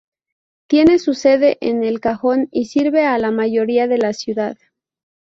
Tiene su sede en El Cajón, y sirve a la mayoría de la ciudad.